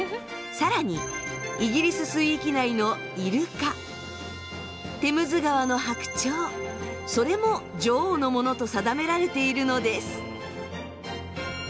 更にイギリス水域内のイルカテムズ川の白鳥それも女王のものと定められているのです。